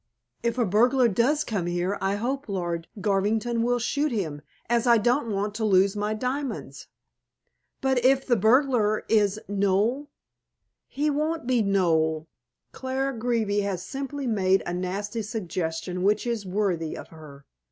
If a burglar does come here I hope Lord Garvington will shoot him, as I don't want to lose my diamonds." "But if the burglar is Noel?" "He won't be Noel. Clara Greeby has simply made a nasty suggestion which is worthy of her.